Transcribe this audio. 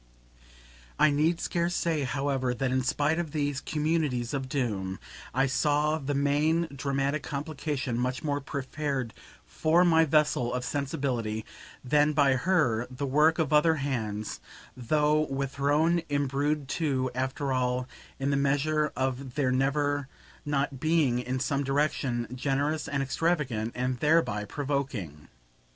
I need scarce say, however, that in spite of these communities of doom I saw the main dramatic complication much more prepared FOR my vessel of sensibility than by her the work of other hands (though with her own imbrued too, after all, in the measure of their never not being, in some direction, generous and extravagant, and thereby provoking).